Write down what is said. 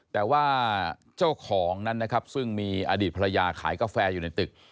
แต่ว่าเจ้าของนั้นนะครับซึ่งมีอดีตภรรยาขายกาแฟอยู่ในตึก